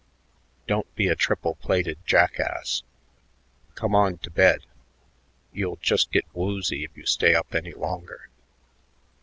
"Don't be a triple plated jackass. Come on to bed. You'll just get woozy if you stay up any longer."